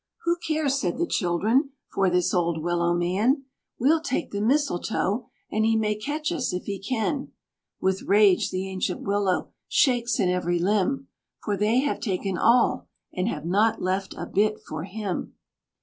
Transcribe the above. "Who cares," said the children, "for this old Willow man? We'll take the Mistletoe, and he may catch us if he can." With rage the ancient Willow shakes in every limb, For they have taken all, and have not left a bit for him!